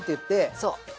そう。